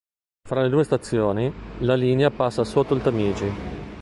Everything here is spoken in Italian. Fra le due stazioni, la linea passa sotto il Tamigi.